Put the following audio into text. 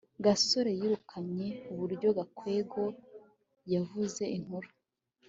gasore yirukanye uburyo gakwego yavuze inkuru